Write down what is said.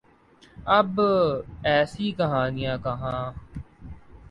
اب ایسی کہانیاں کہاں۔